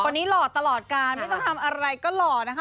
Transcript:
หล่อตลอดการไม่ต้องทำอะไรก็หล่อนะคะ